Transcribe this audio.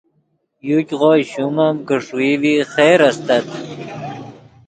یوګغو شوم ام کہ ݰوئی ڤی خیر استت